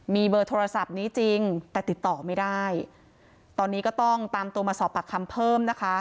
มีเบอร์โทรศัพท์นี้จริงแต่ติดต่อไม่ได้ตอนนี้ก็ต้องตามตัวมาสอบปากคำเพิ่มนะคะ